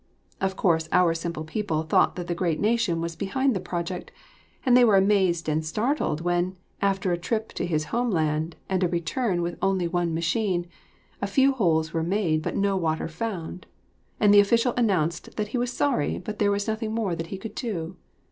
Of course our simple people thought that the great nation was behind the project; and they were amazed and startled when, after a trip to his home land and a return with only one machine, a few holes were made but no water found, and the official announced that he was sorry but there was nothing more that he could do.